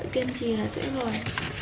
kiên trì là sẽ rồi